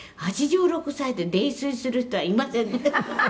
“８６歳で泥酔する人はいません”」